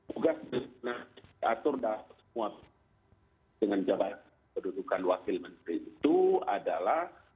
tugas benar diatur dalam kesemuatan dengan jabatan pendudukan wakil menteri itu adalah